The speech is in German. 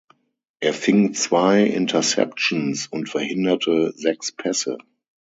Er fing zwei Interceptions und verhinderte sechs Pässe.